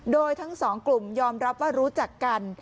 โดยทั้งสองกลุ่มยอมรับว่ารู้จักกัน